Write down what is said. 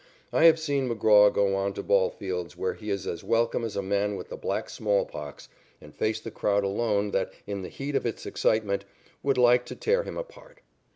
I have seen McGraw go on to ball fields where he is as welcome as a man with the black smallpox and face the crowd alone that, in the heat of its excitement, would like to tear him apart.